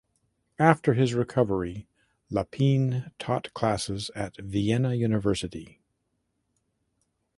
After his recovery Lapine taught classes at Vienna University.